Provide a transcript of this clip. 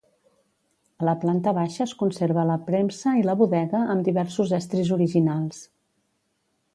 A la planta baixa es conserva la premsa i la bodega amb diversos estris originals.